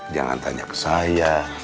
jangan tanya ke saya